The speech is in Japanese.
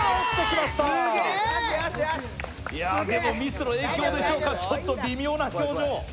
でも、ミスの影響でしょうかちょっと微妙な表情。